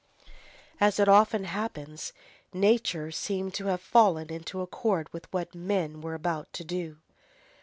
As it often happens, nature seemed to have fallen into accord with what men were about to do.